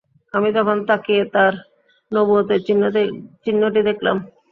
আমি তখন তাকিয়ে তাঁর নবুয়তের চিহ্নটি দেখলাম।